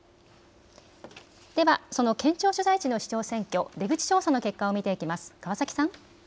では、その県庁所在地の市長選挙、出口調査の結果を見ていきます。